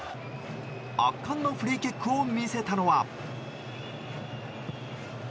圧巻のフリーキックを見せたのは。